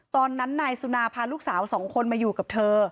ตอนนั้นนายสุนาพาลูกสาวสองคนมาอยู่กับเธอ